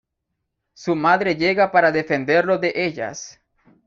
Su madre llega para defenderlo de ellas.